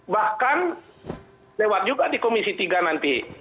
bahkan lewat juga di komisi tiga nanti